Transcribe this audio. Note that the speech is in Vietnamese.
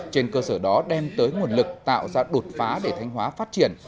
trên cơ sở đó đem tới nguồn lực tạo ra đột phá để thanh hóa phát triển